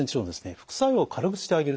副作用を軽くしてあげる。